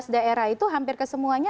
daerah itu hampir kesemuanya